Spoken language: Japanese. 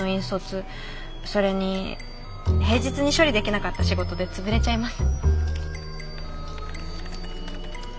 それに平日に処理できなかった仕事で潰れちゃいます。